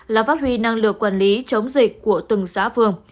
là phát huy năng lực quản lý chống dịch của từng xã phường